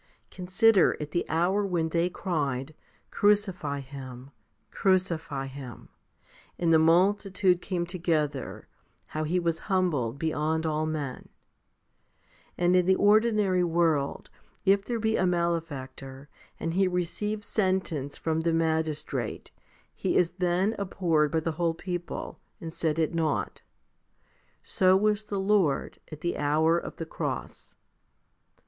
Consider, at the hour when they cried, Crucify Him, crucify Him, 5 and the multitude came together, how He was humbled beyond all men. In the ordinary world, if there be a malefactor, and he receives sentence from the magistrate, he is then abhorred by the whole people, and set at nought. So was the Lord at the hour of the cross.